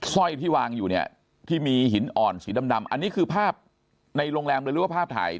ร้อยที่วางอยู่เนี่ยที่มีหินอ่อนสีดำอันนี้คือภาพในโรงแรมเลยหรือว่าภาพถ่าย